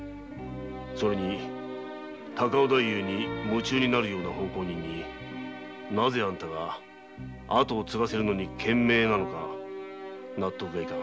それに高尾太夫に夢中になるような奉公人になぜあんたが跡をつがせるのに懸命なのか納得がいかん。